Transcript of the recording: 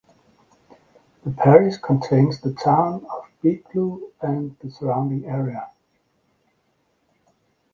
The parish contains the town of Biddulph and the surrounding area.